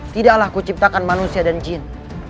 tidaklah ku ciptakan manusia dan jin